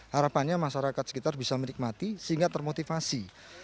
harapannya masyarakat sekitar bisa menikmati sehingga termotivasi